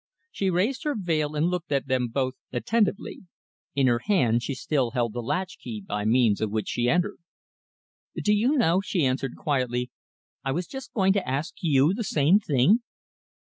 She raised her veil and looked at them both attentively. In her hand she still held the latch key by means of which she entered. "Do you know," she answered quietly, "I was just going to ask you the same thing."